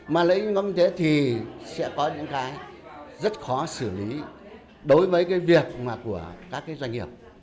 mà lợi ích nhóm và kinh tế thì sẽ có những cái rất khó xử lý đối với việc của các doanh nghiệp